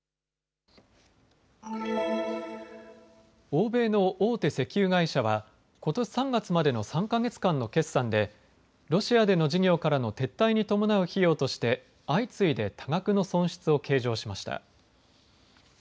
欧米の大手石油会社はことし３月までの３か月間の決算でロシアでの事業からの撤退に伴う費用として相次いで多額の損失を計上しました。